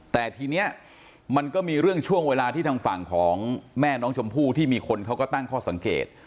แต่ทีนี้มันก็มีเรื่องช่วงเวลาที่ทางฝั่งของแม่น้องชมพู่ที่มีคนเขาก็ตั้งข้อสังเกต